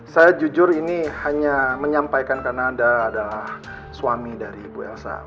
saya jujur ini hanya menyampaikan karena anda adalah suami dari ibu elsa